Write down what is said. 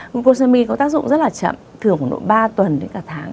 mumcomy có tác dụng rất là chậm thường khoảng độ ba tuần đến cả tháng